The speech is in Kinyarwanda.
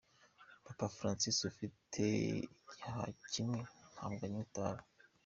Papa Francis ufite igihaha kimwe ntabwo anywa itabi.